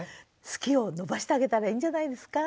好きを伸ばしてあげたらいいんじゃないですか？